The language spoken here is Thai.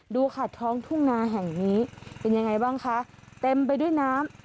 ดูค่ะท้องทุ่งนาแห่งนี้เป็นยังไงบ้างคะเต็มไปด้วยน้ำ